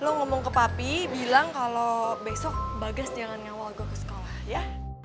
lu ngomong ke papi bilang kalau besok bagas jangan ngawal gue ke sekolah ya